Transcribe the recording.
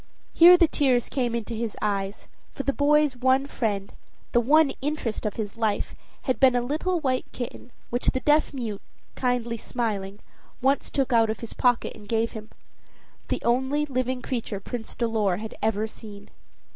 Here the tears came into his eyes, for the boy's one friend, the one interest of his life, had been a little white kitten, which the deaf mute, kindly smiling, once took out of his pocket and gave him the only living creature Prince Dolor had ever seen.